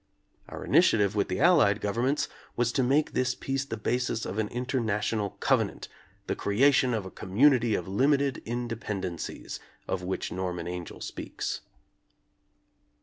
Our in itiative with the Allied governments was to make this peace the basis of an international covenant, "the creation of a community of limited independ encies," of which Norman Angell speaks.